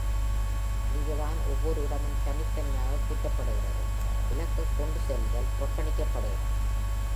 இங்குதான் ஒவ்வோர் இடமும் தனித்தனியே கூட்டப்படுகிறது, இலக்கக் கொண்டுசெல்லுதல் புறக்கணிக்கப்படுகிறது.